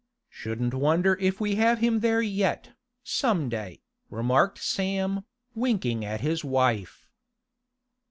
'Shouldn't wonder if we have him there yet, some day,' remarked Sam, winking at his wife.